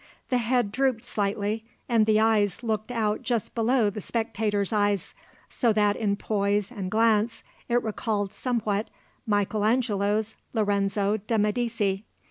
The head drooped slightly and the eyes looked out just below the spectator's eyes, so that in poise and glance it recalled somewhat Michael Angelo's Lorenzo da Medici.